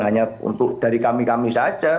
hanya untuk dari kami kami saja